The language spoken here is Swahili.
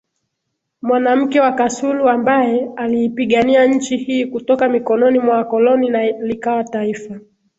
mwanamke wa kasulu ambae aliipigania nchi hii kutoka mikononi mwa wakoloni na likawa Taifa